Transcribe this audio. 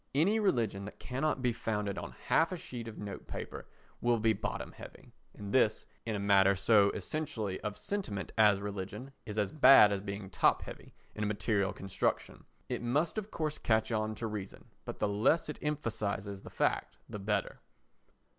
Any religion that cannot be founded on half a sheet of note paper will be bottom heavy, and this, in a matter so essentially of sentiment as religion, is as bad as being top heavy in a material construction. It must of course catch on to reason, but the less it emphasises the fact the better.